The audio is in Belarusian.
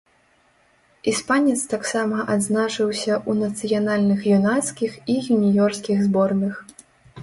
Іспанец таксама адзначыўся ў нацыянальных юнацкіх і юніёрскіх зборных.